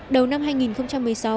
đầu năm hai nghìn một mươi sáu